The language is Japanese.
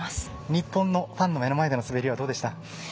日本のファンの目の前での滑りはどうでした？